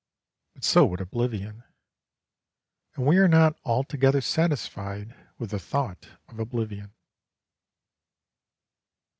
But so would oblivion, and we are not altogether satisfied with the thought of oblivion.